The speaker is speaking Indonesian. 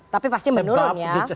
tapi pasti menurun ya